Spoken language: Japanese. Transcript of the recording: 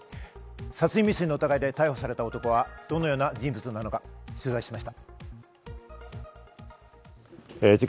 殺人未遂の疑いで逮捕された男はどのような人物なのか取材しました。